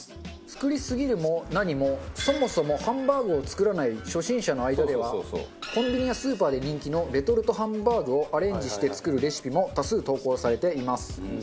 作りすぎるも何もそもそもハンバーグを作らない初心者の間ではコンビニやスーパーで人気のレトルトハンバーグをアレンジして作るレシピも多数投稿されています。